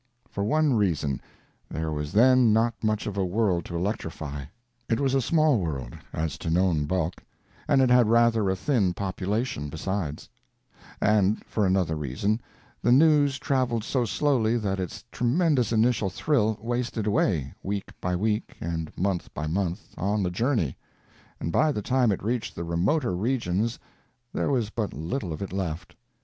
For one reason, there was then not much of a world to electrify; it was a small world, as to known bulk, and it had rather a thin population, besides; and for another reason, the news traveled so slowly that its tremendous initial thrill wasted away, week by week and month by month, on the journey, and by the time it reached the remoter regions there was but little of it left.